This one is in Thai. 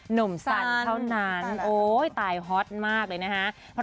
หนุ่มสันเท่านั้นโอ๊ยตายฮอตมากเลยนะฮะ